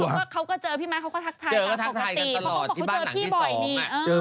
ไม่เขาก็เจอพี่ม้าเขาก็ทักทายกันปกติเขาก็บอกว่าเจอพี่บ่อยดี